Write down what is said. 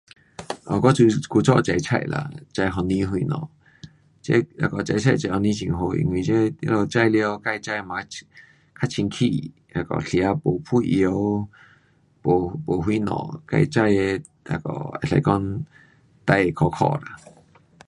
嘞我古早种菜啦种番薯什么,这种菜番薯很好，因为这他们种了自种的嘛较清洁，那个吃没喷药,没，没什么，自种的那个可以说，最可靠啦。